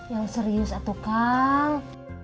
yang serius atukang